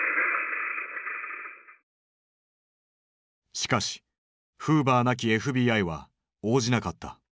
しかしフーバーなきＦＢＩは応じなかった。